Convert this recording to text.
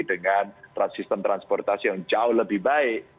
dengan sistem transportasi yang jauh lebih baik